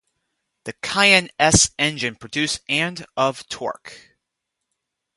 The Cayenne S engine produces and of torque.